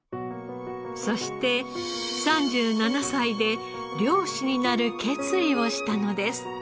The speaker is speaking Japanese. そして３７歳で漁師になる決意をしたのです。